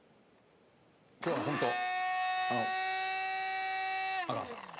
今日はホントあの阿川さん。